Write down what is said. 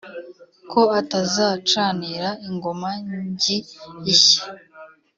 ko atazacanira ingoma ngi ishye